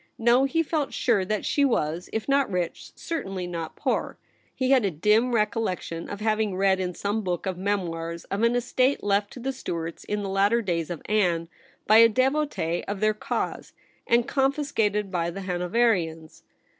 No ; he felt sure that she was, if not rich, certainly not poor. He had a dim recollection of having read in some book of memoirs of an estate left to the Stuarts in the latter days of Anne, by a devotee of their cause, and confiscated by the Hanoverians.